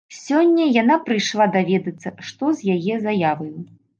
Сёння яна прыйшла даведацца, што з яе заяваю.